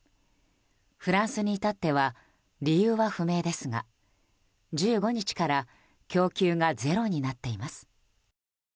フランスに至っては理由は不明ですが１５日から供給がゼロになっています。